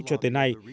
cho tới nay